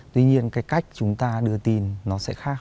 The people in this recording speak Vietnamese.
tuy nhiên cách chúng ta đưa tin sẽ khác hơn